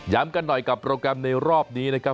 กันหน่อยกับโปรแกรมในรอบนี้นะครับ